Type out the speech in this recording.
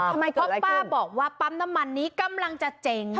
ทำไมเพราะป้าบอกว่าปั๊มน้ำมันนี้กำลังจะเจ๋ง